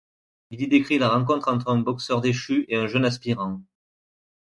Il y décrit la rencontre entre un boxeur déchu et un jeune aspirant.